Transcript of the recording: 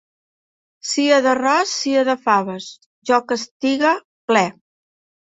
Sia d'arròs, sia de faves, jo que estiga ple.